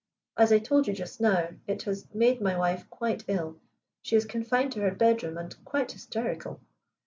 As I told you just now, it has made my wife quite ill. She is confined to her bedroom and quite hysterical."